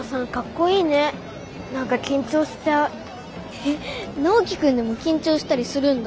えっナオキ君でも緊張したりするんだ。